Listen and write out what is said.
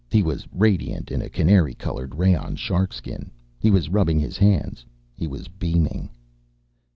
He was radiant in a canary colored rayon sharkskin. He was rubbing his hands. He was beaming.